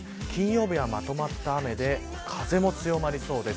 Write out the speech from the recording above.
金曜日はまとまった雨で風も強まりそうです。